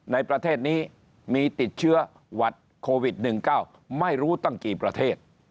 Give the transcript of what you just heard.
ในประเทศนี้มีติดเชื้อหวัดโควิด๑๙ไม่รู้ตั้งกี่ประเทศ